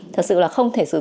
thật sự là không thể sử dụng